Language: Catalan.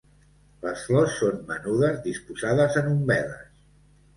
Les flors són menudes disposades en umbel·les.